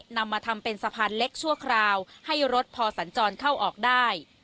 นำมาทำเป็นสะพานเล็กชั่วคราวให้รถพอสัญจรเข้าออกได้